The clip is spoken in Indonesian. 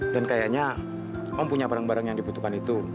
dan kayaknya om punya barang barang yang dibutuhkan itu